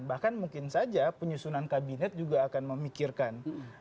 bahkan mungkin saja penyusunan kabinet juga akan memikirkan